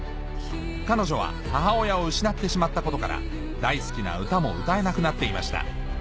彼女は母親を失ってしまったことから大好きな歌も歌えなくなっていました